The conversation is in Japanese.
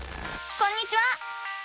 こんにちは！